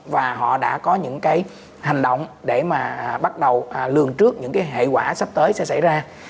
và họ đã có những cái hành động để mà bắt đầu lường trước những cái hệ quả sắp tới sẽ xảy ra